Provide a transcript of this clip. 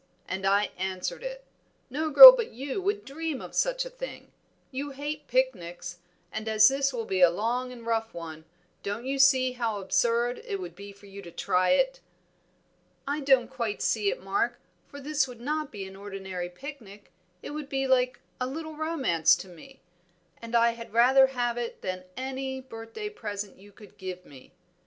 and I answered it. No girl but you would dream of such a thing; you hate picnics, and as this will be a long and rough one, don't you see how absurd it would be for you to try it?" "I don't quite see it, Mark, for this would not be an ordinary picnic; it would be like a little romance to me, and I had rather have it than any birthday present you could give me.